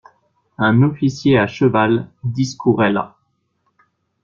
Un officier à cheval discourait là.